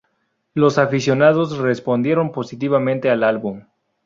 Los aficionados respondieron positivamente al álbum.